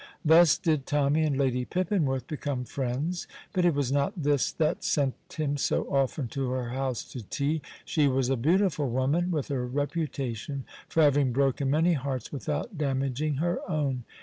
Thus did Tommy and Lady Pippinworth become friends, but it was not this that sent him so often to her house to tea. She was a beautiful woman, with a reputation for having broken many hearts without damaging her own.